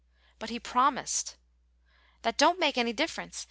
"But he promised " "That don't make any difference.